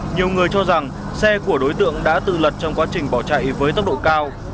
nhiều người cho rằng xe của đối tượng đã tự lật trong quá trình bỏ chạy với tốc độ cao